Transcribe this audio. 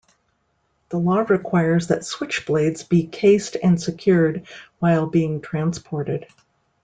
The law requires that switchblades be cased and secured while being transported.